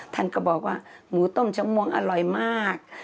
ท่านก็บอกว่าหมูต้มชะมวงอร่อยมาก